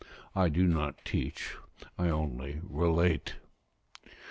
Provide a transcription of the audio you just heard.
I do not teach; I only relate.